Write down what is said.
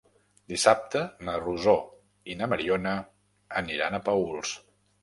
Dissabte na Rosó i na Mariona aniran a Paüls.